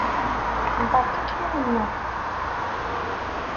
Beṛka-kem amennuɣ.